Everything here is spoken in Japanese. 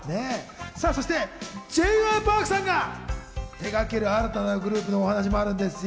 そしてＪ．Ｙ．Ｐａｒｋさんが手がける新たなグループのお話もあるんですよ。